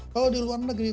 kalau di luar negeri